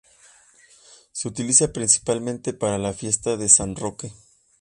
Se utiliza principalmente para la fiesta de San Roque.